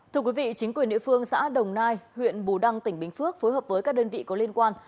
thưa quý vị chính quyền địa phương xã đồng nai huyện bù đăng tỉnh bình phước phối hợp với các đơn vị có liên quan